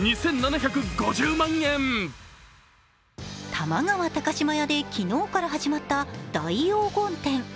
玉川高島屋で昨日から始まった大黄金展。